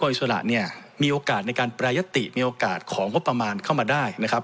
อิสระเนี่ยมีโอกาสในการแปรยติมีโอกาสของงบประมาณเข้ามาได้นะครับ